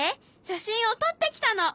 写真を撮ってきたの。